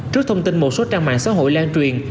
trước thông tin một số trang mạng xã hội lan truyền